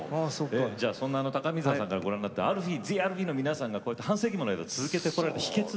そんな高見沢さんからご覧になってＴＨＥＡＬＦＥＥの皆さんがこうやって半世紀もの間続けてこられた秘けつ。